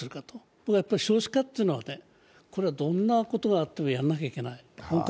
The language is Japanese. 僕はやはり少子化というのはどんなことがあっても本格的にやらなきゃいけない。